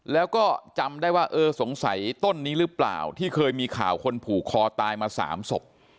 แล้วก็จำได้ว่าเออสงสัยต้นนี้หรือเปล่าที่เคยมีข่าวคนผูกคอตายมา๓ศพ